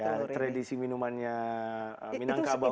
ya tradisi minumannya minangkabau